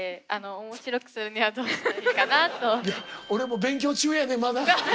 いや俺も勉強中やねんまだ。